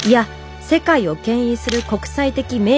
世界を牽引する国際的名